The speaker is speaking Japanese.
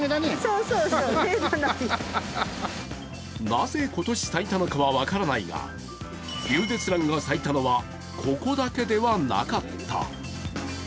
なぜ今年咲いたのかは分からないが、リュウゼツランが咲いたのはここだけではなかった。